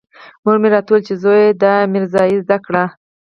مور مې راته ويل چې زويه دا ميرزايي زده کړه.